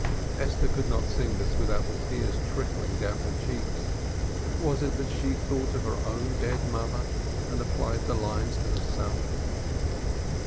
Esther could not sing this without the tears trickling down her cheeks. Was it that she thought of her own dead mother and applied the lines to herself?